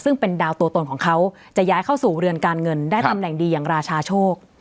ซึ่งเป็นดาวตัวตนของเขาจะย้ายเข้าสู่เรือนการเงินได้ตำแหน่งดีอย่างราชาโชค